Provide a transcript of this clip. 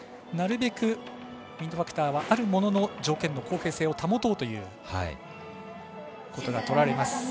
なるべくウインドファクターはあるものの条件の公平性を保とうということが取られます。